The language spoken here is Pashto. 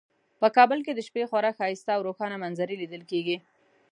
په کابل کې د شپې خورا ښایسته او روښانه منظرې لیدل کیږي